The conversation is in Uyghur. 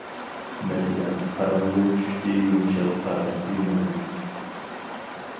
مەسىلەن: قاراڭغۇ چۈشتى يۇمشاق، قارا، يۇمىلاق.